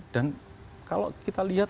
dan kalau kita lihat